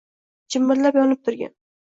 Jimirlab yonib turgan